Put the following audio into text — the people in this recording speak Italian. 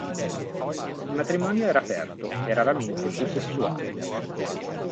Il matrimonio era aperto e raramente fu sessuale.